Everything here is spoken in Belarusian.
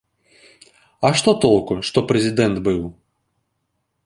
А што толку, што прэзідэнт быў?